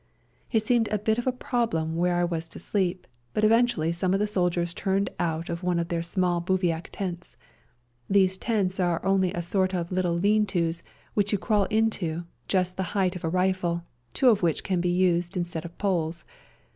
It seemed a bit of a problem where I was to sleep, but eventually some of the soldiers turned out of one of their small bivouac tents. These tents are only a sort of little lean to's, which you crawl into, just the height of a rifle, two of which can be used instead of poles.